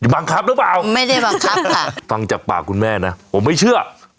บังคับหรือเปล่าไม่ได้บังคับค่ะฟังจากปากคุณแม่นะผมไม่เชื่อ